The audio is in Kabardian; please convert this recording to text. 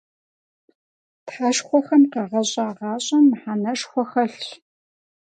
Тхьэшхуэхэм къагъэщӀа гъащӀэм мыхьэнэшхуэ хэлъщ.